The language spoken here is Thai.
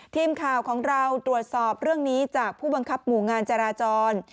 ทีมข่าวของเราตรวจสอบเรื่องนี้จากผู้บังคับหมู่งานจราจร